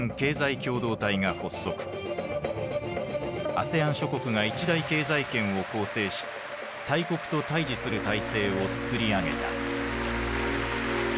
ＡＳＥＡＮ諸国が一大経済圏を構成し大国と対峙する体制をつくり上げた。